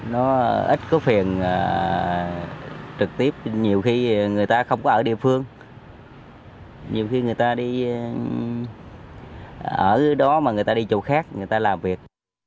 nó ít có phiền trực tiếp nhiều khi người ta không có ở địa phương nhiều khi người ta đi ở đó mà người ta đi chỗ khác người ta làm việc